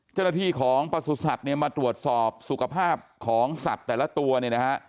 เจ้าหน้าที่ของประสุทธิ์สัตว์เนี่ยมาตรวจสอบสุขภาพของสัตว์แต่ละตัวเนี่ยนะฮะ